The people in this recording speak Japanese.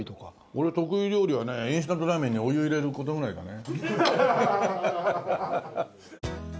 俺得意料理はねインスタントラーメンにお湯入れる事ぐらいだね。